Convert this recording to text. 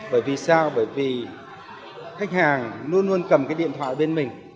bởi vì sao bởi vì khách hàng luôn luôn cầm cái điện thoại bên mình